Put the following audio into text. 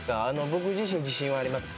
僕自身自信はあります。